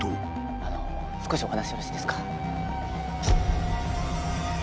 あの少しお話よろしいですか？